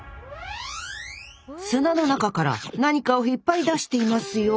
砂の中から何かを引っ張り出していますよ。